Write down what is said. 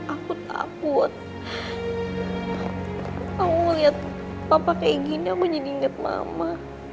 aku ngeliat papa kayak gini aku jadi inget mama